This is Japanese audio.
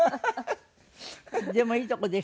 でもいいとこでしたよ